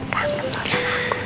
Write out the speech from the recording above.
kangen lho kangen aku